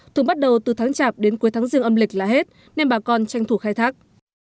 thường bắt đầu từ tháng chạp đến cuối tháng riêng âm lịch là hết nên bà con tranh thủ khai thác